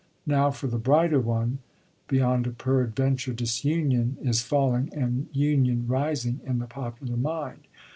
Now for the brighter one. Beyond a peradventure disunion is falling and union rising in the popular mind.